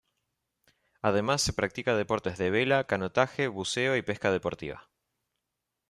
Además se practica deportes de vela, canotaje, buceo y pesca deportiva.